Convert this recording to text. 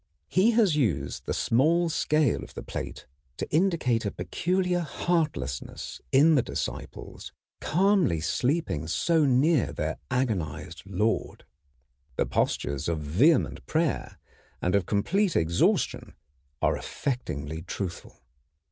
He has used the small scale of the plate to indicate a peculiar heartlessness in the disciples calmly sleeping so near their agonized Lord. The postures of vehement prayer and of complete exhaustion are affectingly truthful.